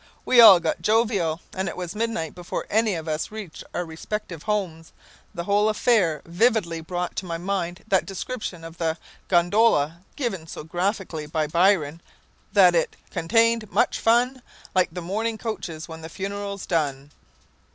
We all got jovial, and it was midnight before any of us reached our respective homes. The whole affair vividly brought to my mind that description of the 'Gondola,' given so graphically by Byron, that it 'Contain'd much fun, Like mourning coaches when the funeral's done.'"